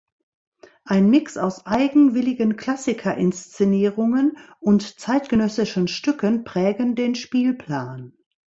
Ein Mix aus eigenwilligen Klassiker-Inszenierungen und zeitgenössischen Stücken prägen den Spielplan.